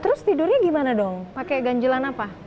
terus tidurnya gimana dong pakai ganjelan apa